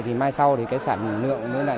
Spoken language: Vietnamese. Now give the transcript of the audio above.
thì mai sau thì cái sản nữ nữ này